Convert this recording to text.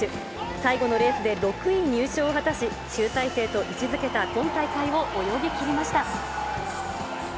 最後のレースで６位入賞を果たし、集大成と位置づけた今大会を泳ぎ切りました。